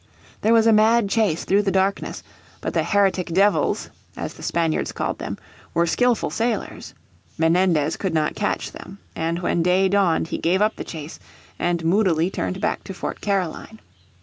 There was a mad chase through the darkness. But the heretic devils, as the Spaniards called them, were skilful sailors. Menendez could not catch them, and when day dawned he gave up the chase and moodily turned back to Fort Caroline.